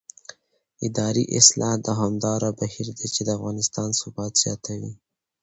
اداري اصلاح دوامداره بهیر دی چې د افغانستان ثبات زیاتوي